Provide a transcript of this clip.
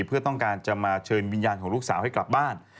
เพื่อต้องการจะมาเชิญวิญญาณของลูกสาวให้กลับบ้าน